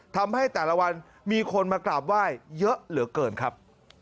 ทำให้แต่ละวันมีคนมากราบไหว้เยอะเหลือเกินครับ